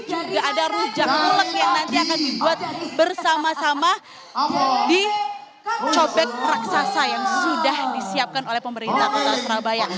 juga ada rujak ulek yang nanti akan dibuat bersama sama di cobek raksasa yang sudah disiapkan oleh pemerintah kota surabaya